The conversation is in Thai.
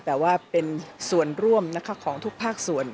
แต่ว่าเป็นส่วนร่วมของทุกภาคส่วน